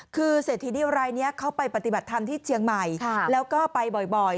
คือเศรษฐีเดียวรายนี้เขาไปปฏิบัติธรรมที่เชียงใหม่แล้วก็ไปบ่อย